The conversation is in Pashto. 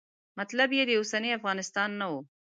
مطلب یې د اوسني افغانستان نه و.